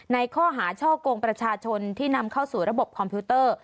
ในข้อหาช่อกงประชาชนที่นำเข้าสู่ระบบคอมพิวเตอร์